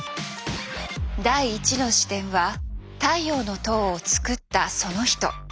第１の視点は「太陽の塔」を作ったその人。